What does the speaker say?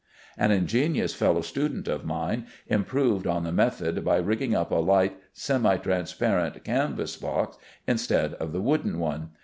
An ingenious fellow student of mine improved on the method by rigging up a light semi transparent canvas box instead of the wooden one.